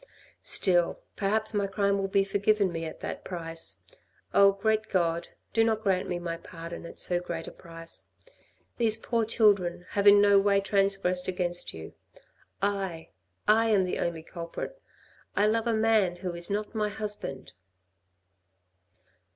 Still, perhaps my crime will be forgiven me at that price. Oh, great God, do not grant me my pardon at so great a price. These poor children have in no way transgressed against You. I, I am the only culprit. I love a man who is not my husband."